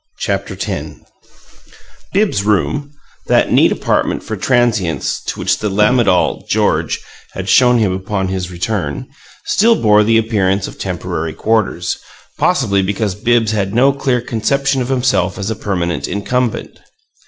CHAPTER X Bibbs's room, that neat apartment for transients to which the "lamidal" George had shown him upon his return, still bore the appearance of temporary quarters, possibly because Bibbs had no clear conception of himself as a permanent incumbent.